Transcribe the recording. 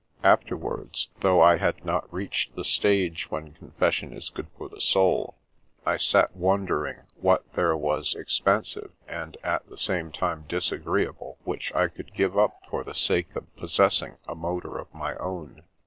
Afterwards, though I had not reached the stage when confession is good for the soul, I sat wondering what there was expensive and at the same time disagreeable which I could g^ve up for the sake of possessing a motor of my own.